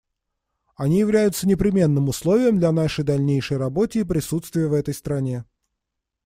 Они являются непременным условием для нашей дальнейшей работы и присутствия в этой стране.